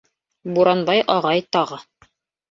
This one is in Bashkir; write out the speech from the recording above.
Буранбай ағай тағы: